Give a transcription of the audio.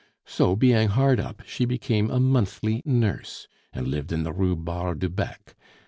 So, being hard up, she became a monthly nurse, and lived in the Rue Barre du Bec.